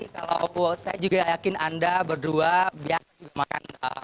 kalau saya juga yakin anda berdua biasa makan